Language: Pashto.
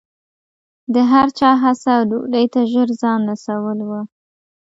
د هر چا هڅه ډوډۍ ته ژر ځان رسول و.